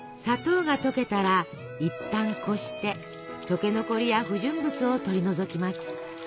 砂糖が溶けたらいったんこして溶け残りや不純物を取り除きます。